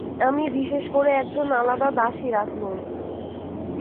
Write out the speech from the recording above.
আমি বিশেষ করে একজন আলাদা দাসী রাখলুম।